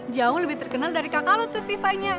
jauh lebih terkenal dari kakak lo tuh sifanya